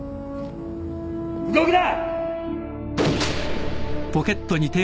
動くな！